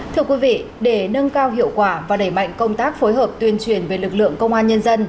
thưa quý vị để nâng cao hiệu quả và đẩy mạnh công tác phối hợp tuyên truyền về lực lượng công an nhân dân